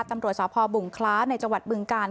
ตัมตัวจอสภบว์บุ๋งคล้าในจังหวัดบึงกาล